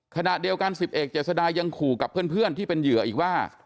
ขณะเดียวกัน๑๐เอกเจษดายังขู่กับเพื่อนที่เป็นเหยื่ออีกว่า